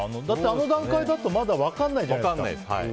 だって、あの段階だとまだ分からないじゃないですか。